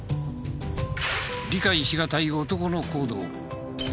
理解しがたい男の行動。